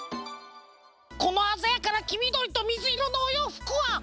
このあざやかなきみどりとみずいろのおようふくは。